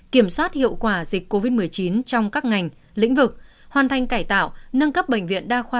kiểm soát hiệu quả dịch covid một mươi chín trong các ngành lĩnh vực hoàn thành cải tạo